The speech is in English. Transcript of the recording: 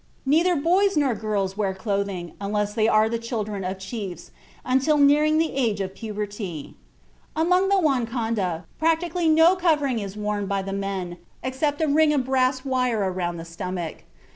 Neither boys nor girls wear clothing (unless they are the children of chiefs) until nearing the age of puberty. Among the Wankonda, practically no covering is worn by the men except a ring of brass wire around the stomach.